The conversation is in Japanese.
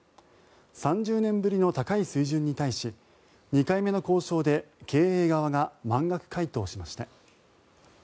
３０年ぶりの高い水準に対し２回目の交渉で経営側が満額回答しました。